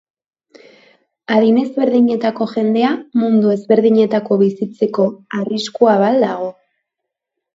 Adin ezberdinetako jendea mundu ezberdinetako bizitzeko arriskua ba al dago?